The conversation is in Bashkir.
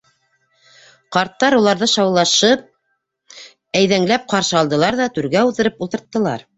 Ҡарттар уларҙы шаулашып, әйҙәңләп ҡаршы алдылар ҙа түргә уҙҙырып ултырттылар.